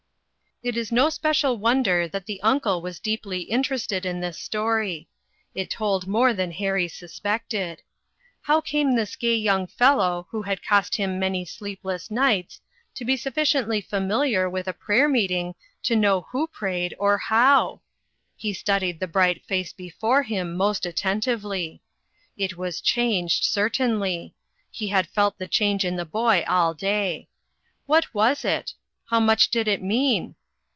It is no special wonder that the uncle was deeply interested in this story. It told more than Harry suspected. How came this gay young nephew, who had cost him many sleepless nights, to be sufficiently familiar with a prayer meeting to know who prayed, or how? He studied the bright face before him most attentively. It was changed, cer tainly i he had felt the change in the boy all day. What was it? How much did it mean